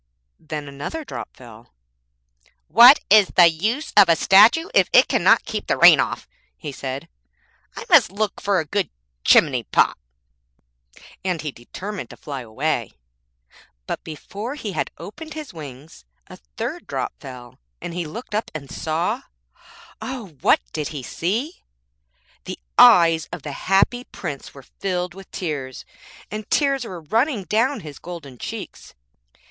Then another drop fell. 'What is the use of a statue if it cannot keep the rain off?' he said; 'I must look for a good chimney pot,' and he determined to fly away. < 3 > But before he had opened his wings, a third drop fell, and he looked up, and saw Ah! what did he see? The eyes of the Happy Prince were filled with tears, and tears were running down his golden cheeks.